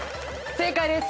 正解です！